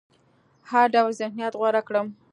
هر ډول ذهنيت غوره کړم.